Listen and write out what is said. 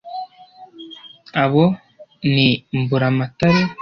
abo ni mburamatare.